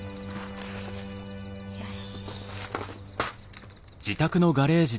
よし。